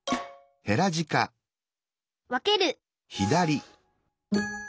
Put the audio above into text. わける